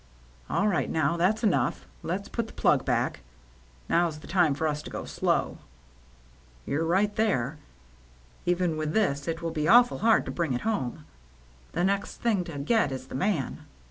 "All right now; that's enough. Let's put the plug back. Now's the time for us to go slow." "You're right there. Even with this it will be awful hard to bring it home. The next thing to get is the man.